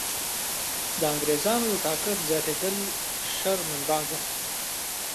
د انګرېزانو د طاقت زیاتېدل شر منبع ده.